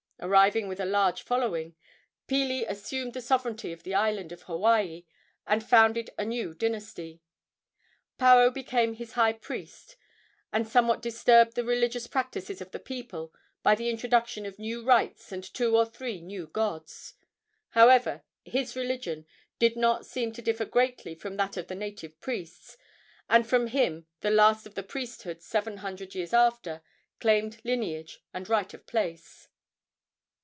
Arriving with a large following, Pili assumed the sovereignty of the island of Hawaii and founded a new dynasty. Paao became his high priest, and somewhat disturbed the religious practices of the people by the introduction of new rites and two or three new gods. However, his religion did not seem to differ greatly from that of the native priests, and from him the last of the priesthood, seven hundred years after, claimed lineage and right of place.